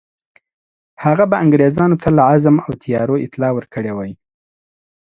هغه به انګرېزانو ته له عزم او تیاریو اطلاع ورکړې وای.